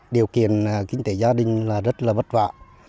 điều kiện kinh tế gia đình là rất là vất vả